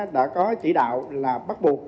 đã có chỉ đạo là bắt buộc